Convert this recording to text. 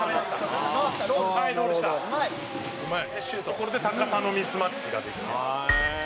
これで高さのミスマッチができて。